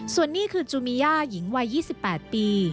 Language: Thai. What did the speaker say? ส่วนนี้คือจูมีย่าหญิงวัย๒๘ปี